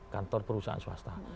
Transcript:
kantor perusahaan swasta